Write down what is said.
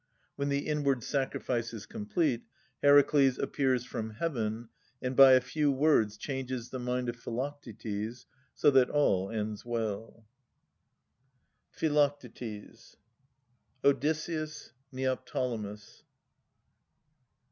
When the inward sacrifice is complete, Heracles appears from heaven, and by a few words changes the mind of Philoc tetes, so that all ends well. PHILOCTETES Odysseus. Neoptolemus.